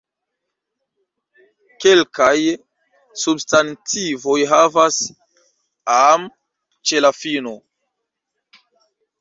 Kelkaj substantivoj havas "-am" ĉe la fino.